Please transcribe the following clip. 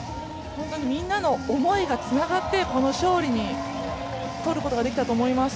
みんなの思いがつながって、この勝利を取ることができたと思います。